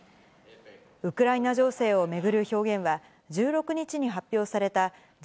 ウクライナ情勢を巡る表現は、１６日に発表されたＧ２０・